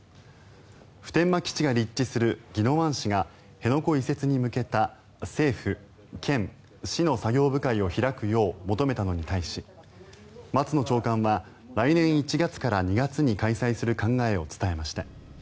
普天間基地が立地する宜野湾市が辺野古移設に向けた政府、県、市の作業部会を開くよう求めたのに対し松野長官は来年１月から２月に開催する考えを伝えました。